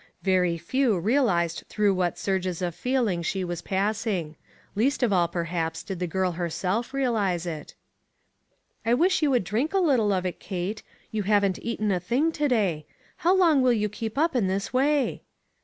Very few realized through what surges of feeling she was passing. Least of all, perhaps, did the girl herself realize it. " I wish you would drink a little of it, Kate ; you haven't eaten a thing to day. 354 ONE COMMONPLACE DAY. How long can }*ou keep up in this way?"